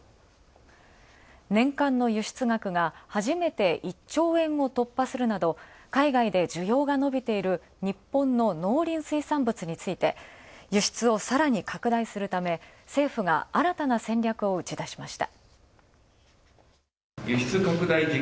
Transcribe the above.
年間の輸出額が初めて１兆円を突破するなど、海外で需要が伸びている日本の農林水産物について輸出をさらに拡大するため、政府が新たな戦略を打ち出しました。